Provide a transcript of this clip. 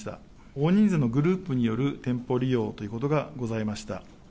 大人数のグループによる店舗利用ということがございました。